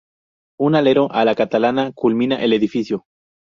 Un alero a la catalana culmina el edificio.